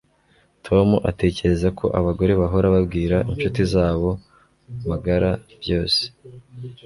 Tom atekereza ko abagore bahora babwira inshuti zabo magara byose